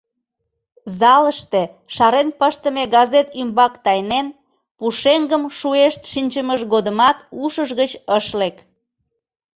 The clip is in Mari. Залыште шарен пыштыме газет ӱмбак тайнен, пушеҥгым шуэшт шинчымыж годымат ушыж гыч ыш лек.